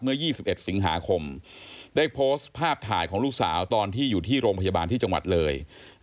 ๒๑สิงหาคมได้โพสต์ภาพถ่ายของลูกสาวตอนที่อยู่ที่โรงพยาบาลที่จังหวัดเลย